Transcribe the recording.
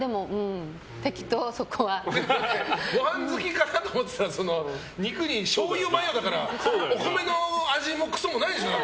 ご飯好きかなと思ってたら肉にしょうゆマヨだからお米の味もくそもないでしょ？